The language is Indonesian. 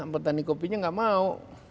petani kopinya gak mau